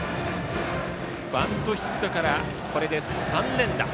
バントヒットから３連打。